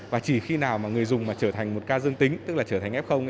và chỉ khi nào mà người dùng trở thành một ca dương tính tức là trở thành f